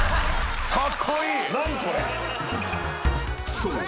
［そう。